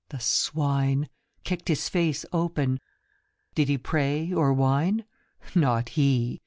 The swine ! Kicked his face open. Did he pray or whine ? Not he !